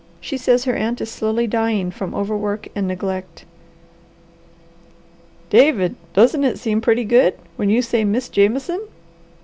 She says her aunt is slowly dying from overwork and neglect." "David, doesn't it seem pretty good, when you say 'Miss Jameson'?"